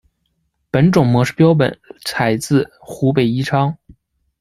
本种模式标本采自于湖北宜昌。